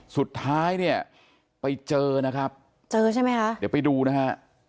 สุดท้ายเนี่ยไปเจอนะครับเจอใช่ไหมคะเดี๋ยวไปดูนะฮะ